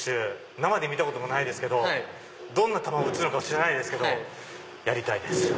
生で見たこともないですけどどんな球を打つのかも知らないですけどやりたいです。